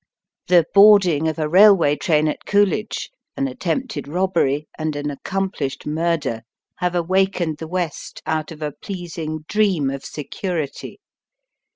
The boarding of a railway train at Coolidge, an attempted robbery, and an accomplished murder, have awakened the West out of a pleasing dream of security.